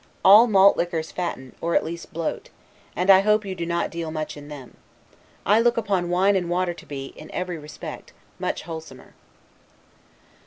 All malt liquors fatten, or at least bloat; and I hope you do not deal much in them. I look upon wine and water to be, in every respect; much wholesomer.